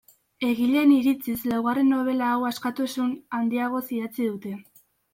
Egileen iritziz laugarren nobela hau askatasun handiagoz idatzi dute.